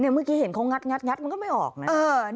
เมื่อกี้เห็นเขางัดมันก็ไม่ออกนะ